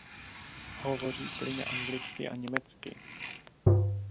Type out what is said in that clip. Hovoří plynně anglicky a německy.